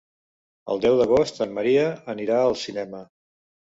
El deu d'agost en Maria anirà al cinema.